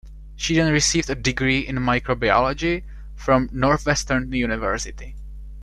She then received a degree in microbiology from Northwestern University.